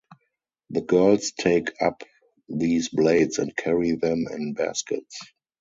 The girls take up these blades and carry them in baskets.